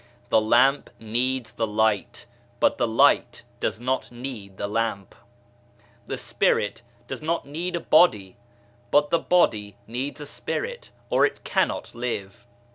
The lamp needs the light, but the light does not need the lamp. The Spirit does not need a body, but the body needs Spirit, or it cannot live.